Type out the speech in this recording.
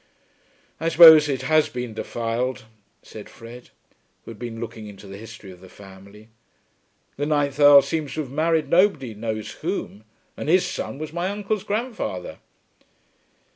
"I suppose it has been defiled," said Fred, who had been looking into the history of the family. "The ninth Earl seems to have married nobody knows whom. And his son was my uncle's grandfather."